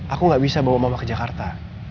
aku gak bisa bawa mama ke jakarta